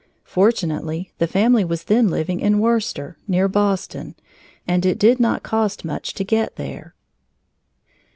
Fortunately the family was then living in Worcester, near Boston, and it did not cost much to get there.